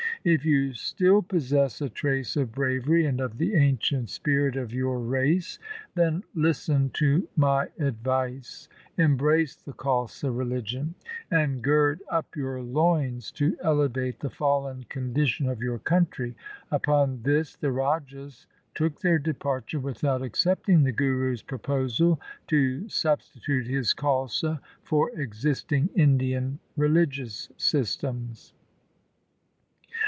If you still possess a trace of bravery and of the ancient spirit of your LIFE OF GURU GOBIND SINGH 101 race, then listen to my advice, embrace the Khalsa religion, and gird up your loins to elevate the fallen condition of your country.' Upon this the rajas took their departure without accepting the Guru's proposal to substitute his Khalsa for existing Indian religious systems.